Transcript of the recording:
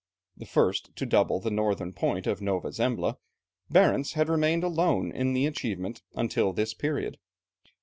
The first to double the northern point of Nova Zembla, Barentz had remained alone in the achievement until this period.